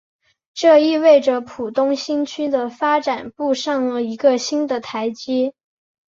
这意味着浦东新区的发展步上了一个新的台阶。